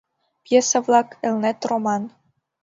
ПЬЕСА-ВЛАК, «ЭЛНЕТ» РОМАН